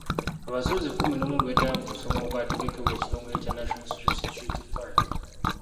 Abakozi kkumi n'omu beetaba mu musomo ogwategekebwa ekitogole kya National Social Security Fund.